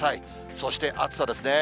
そして暑さですね。